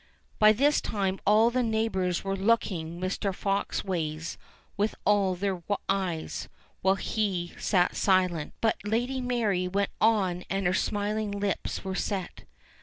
By this time all the neighbours were looking Mr. Fox ways with all their eyes, while he sate silent. But Lady Mary went on and her smiling lips were set.